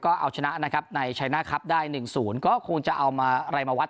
ก็เอาชนะนะครับในได้หนึ่งศูนย์ก็คงจะเอามาไรมาวัด